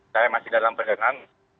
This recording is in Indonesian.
saya masih dalam perjalanan